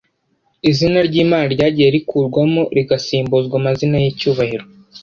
izina ry’Imana ryagiye rikurwamo rigasimbuzwa amazina y’icyubahiro